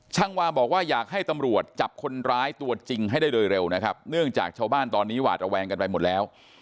วาบอกว่าอยากให้ตำรวจจับคนร้ายตัวจริงให้ได้โดยเร็วนะครับเนื่องจากชาวบ้านตอนนี้หวาดระแวงกันไปหมดแล้ว